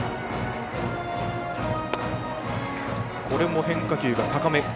これも変化球が高め。